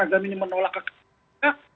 agama ini menolak kekerasan